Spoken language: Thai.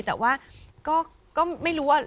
แต่ว่าก็ไม่รู้ว่า